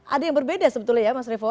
ada yang berbeda sebetulnya ya mas revo